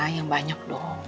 yang banyak dong